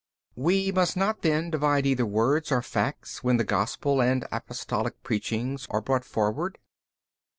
B. We must not then divide either words or facts, when the Gospel and Apostolic preachings are brought forward?